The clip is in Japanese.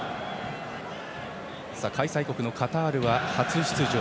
開催国のカタールは初出場。